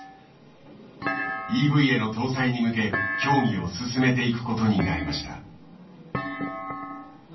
ＥＶへの搭載に向け協議を進めていくことになりました。